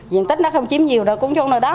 diện tích nó không chiếm nhiều đâu cũng chung nơi đó